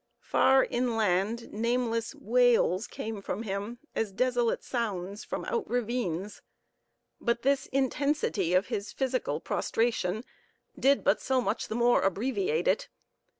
Far inland, nameless wails came from him, as desolate sounds from out ravines. But this intensity of his physical prostration did but so much the more abbreviate it.